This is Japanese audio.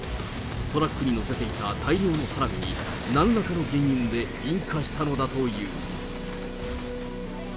トラックに載せていた大量の花火に、なんらかの原因で引火したのだという。